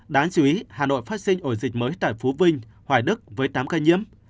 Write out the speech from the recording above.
đáng chú ý hà nội phát sinh ổ dịch mới tại phú vinh hoài đức với tám ca nhiễm